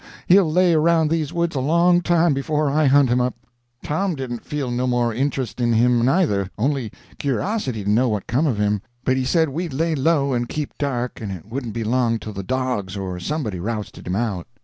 He'll lay around these woods a long time before I hunt him up." Tom didn't feel no more intrust in him neither, only curiosity to know what come of him; but he said we'd lay low and keep dark and it wouldn't be long till the dogs or somebody rousted him out.